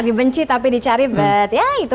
dibenci tapi dicari bet ya itu